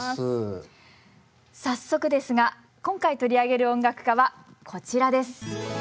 早速ですが今回取り上げる音楽家はこちらです。